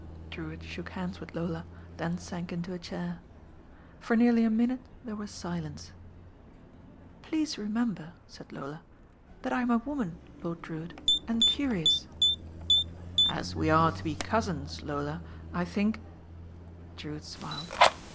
Drewitt shook hands with Lola, then sank into a chair. For nearly a minute there was silence. "Please remember," said Lola, "that I'm a wo man. Lord Drewitt, and curious." "As we are to be cousins, Lola, I think " Drewitt smiled.